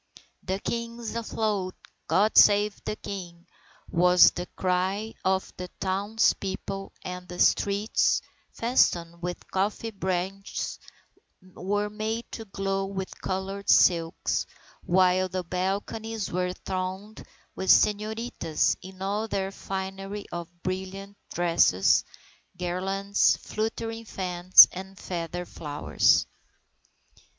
"The King is afloat! God save the King!" was the cry of the townspeople and the streets, festooned with coffee branches, were made to glow with coloured silks, while the balconies were thronged with señoritas in all their finery of brilliant dresses, garlands, fluttering fans, and feather flowers.